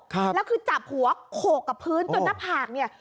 แล้วคือจับหัวโหกกับพื้นตัวหน้าผากเนี่ย